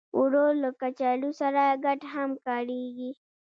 اوړه له کچالو سره ګډ هم کارېږي